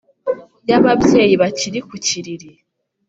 Y'ababyeyi bakiri ku kiriri